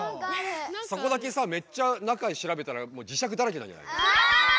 そこだけさめっちゃ中しらべたらもう磁石だらけなんじゃない？ああ！